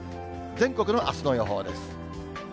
全国のあすの予報です。